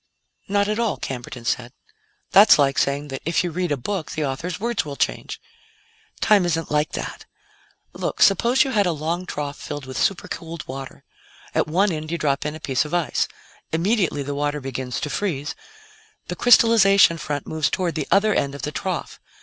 "Not at all," Camberton said; "that's like saying that if you read a book, the author's words will change. "Time isn't like that. Look, suppose you had a long trough filled with supercooled water. At one end, you drop in a piece of ice. Immediately the water begins to freeze; the crystallization front moves toward the other end of the trough.